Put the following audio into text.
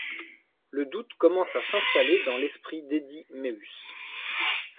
Le doute commence à s'installer dans l'esprit d'Eddy Meeùs.